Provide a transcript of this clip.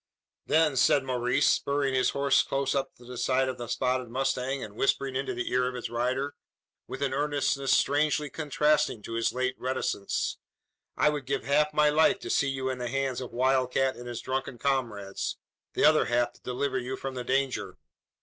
"Then," said Maurice, spurring his horse close up to the side of the spotted mustang, and whispering into the ear of its rider, with an earnestness strangely contrasting to his late reticence, "I would give half my life to see you in the hands of Wild Cat and his drunken comrades the other half to deliver you from the danger."